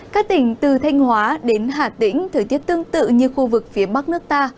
các tỉnh từ thanh hóa đến hà tĩnh thời tiết tương tự như khu vực phía bắc nước ta